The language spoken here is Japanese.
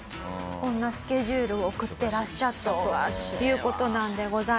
こんなスケジュールを送ってらっしゃったという事なんでございます。